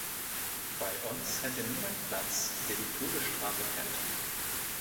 Bei uns hätte niemand Platz, der die Todesstrafe kennt.